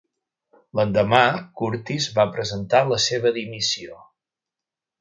L'endemà, Curtis va presentar la seva dimissió.